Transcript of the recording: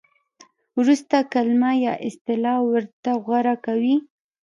ورسته کلمه یا اصطلاح ورته غوره کوي.